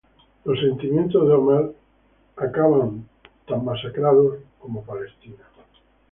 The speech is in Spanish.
Los sentimientos de Omar acaban tan divididos como Palestina.